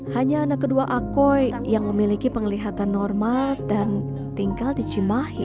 hanya anak kedua akoy yang memiliki penglihatan normal dan tinggal di cimahi